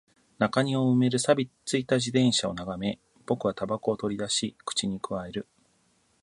中庭を埋める錆び付いた自転車を眺め、僕は煙草を取り出し、口に咥える